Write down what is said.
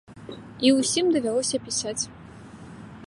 І ўсім давялося пісаць.